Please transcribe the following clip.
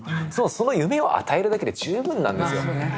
その夢を与えるだけで十分なんですよ